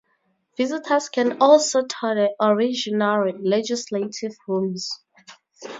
Visitors can also tour the original legislative rooms.